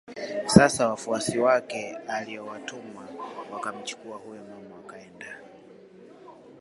Sasa wafuasi wake aliowatuma wakamchukue huyo mama wakaenda